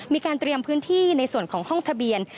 มีการเตรียมพื้นที่ในส่วนของห้องทะเบียน